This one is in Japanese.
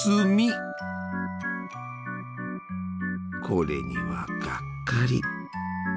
これにはがっかり。